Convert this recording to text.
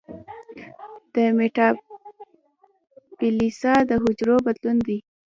د میټاپلاسیا د حجرو بدلون دی.